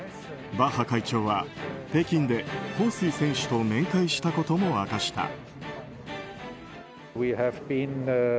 バッハ会長は北京でホウ・スイ選手と面会したことも明かした。